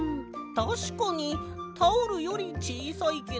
たしかにタオルよりちいさいけど。